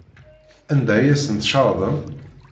Anda ay asen-tcerḍem?